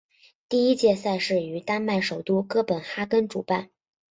第一届赛事于丹麦首都哥本哈根主办。